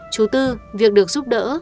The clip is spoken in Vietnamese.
chú tư việc được giúp đỡ